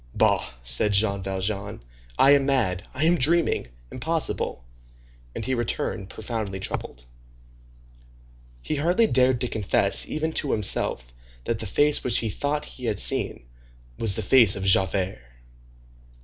"Bah!" said Jean Valjean, "I am mad! I am dreaming! Impossible!" And he returned profoundly troubled. He hardly dared to confess, even to himself, that the face which he thought he had seen was the face of Javert.